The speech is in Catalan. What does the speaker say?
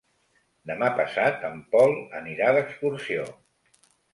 Demà passat en Pol anirà d'excursió.